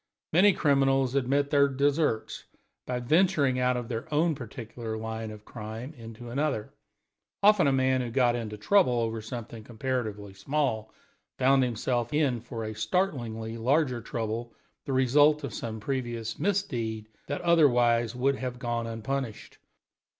Many criminals had met their deserts by venturing out of their own particular line of crime into another; often a man who got into trouble over something comparatively small found himself in for a startlingly larger trouble, the result of some previous misdeed that otherwise would have gone unpunished.